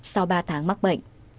sau ba tháng mắc bệnh